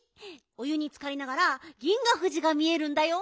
お湯につかりながら銀河富士が見えるんだよ。